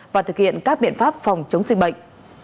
và thực hiện các biện pháp phòng chống dịch bệnh